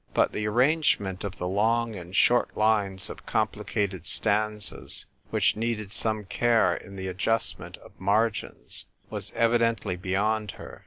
But the arrangement of the long and short lines of complicated stanzas, which needed some care in the adjustment of margins, was evidently beyond her.